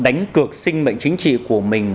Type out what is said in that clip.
đánh cược sinh mệnh chính trị của mình